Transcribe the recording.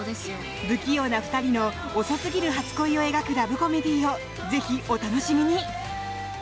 不器用な２人の遅すぎる初恋を描くラブコメディーをぜひお楽しみに！